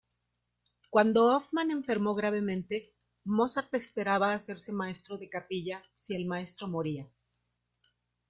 Cuando Hofmann enfermó gravemente, Mozart esperaba hacerse maestro de capilla si el maestro moría.